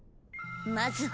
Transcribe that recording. まずは。